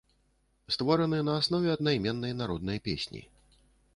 Створаны на аснове аднайменнай народнай песні.